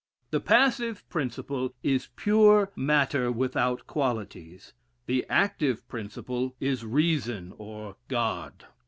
The passive principle is pure matter without qualities; the active principle is reason, or God.